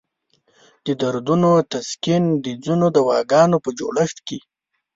د دردونو د تسکین د ځینو دواګانو په جوړښت کې.